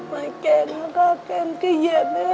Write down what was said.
มันเกรนแล้วก็เกรนเขี้ยไม่ออก